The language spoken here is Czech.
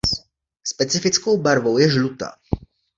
Specifickou barvou je žlutá.